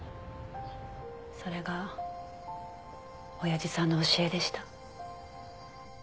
それがおやじさんの教えでした。